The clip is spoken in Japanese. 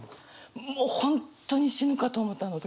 もう本当に死ぬかと思ったあの時。